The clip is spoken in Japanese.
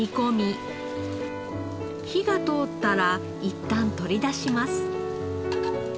火が通ったらいったん取り出します。